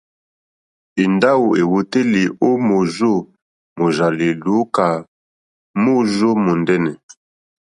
Èndáwò èwòtélì ó mòrzó mòrzàlì lùúkà móòrzó mòndɛ́nɛ̀.